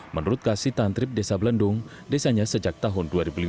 menurut kasih tantrip desa belendung desanya sejak tahun dua ribu lima